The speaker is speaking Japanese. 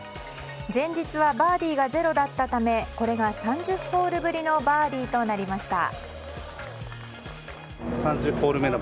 前日はバーディーがゼロだったためこれが３０ホールぶりのバーディーとなりました。